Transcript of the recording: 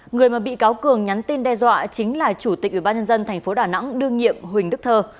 người mà bị cáo cường nhắn tin đe dọa chính là chủ tịch ủy ban nhân dân tp đà nẵng đương nhiệm huỳnh đức thơ